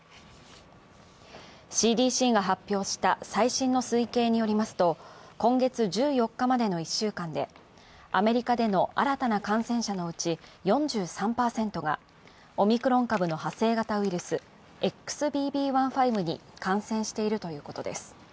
ＣＤＣが発表した最新の推計によりますと今月１４日までの１週間でアメリカでの新たな感染者のうち４３％がオミクロン株の派生型ウイルス、ＸＢＢ．１．５に感染しているということです。